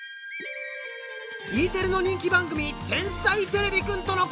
Ｅテレの人気番組「天才てれびくん」とのコラボだ！